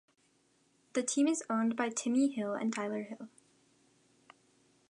The team is owned by Timmy Hill and Tyler Hill.